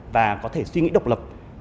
và có thể suy nghĩ độc lập